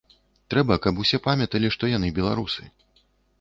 Трэба, каб усе памяталі, што яны беларусы.